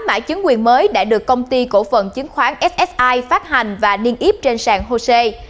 hai mươi tám mã chứng quyền mới đã được công ty cổ phận chứng khoán ssi phát hành và niên yếp trên sàn hosea